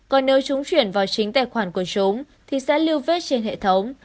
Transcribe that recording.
còn nếu chúng chuyển vào chính tài khoản của chúng thì sẽ lưu vết trên hệ thống